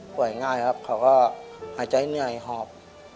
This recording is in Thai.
ง่ายครับเขาก็หายใจเหนื่อยหอบ